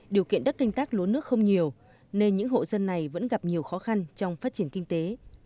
điều kiện đất canh tác lúa nước không nhiều nên những hộ dân này vẫn gặp nhiều khó khăn trong phát triển kinh tế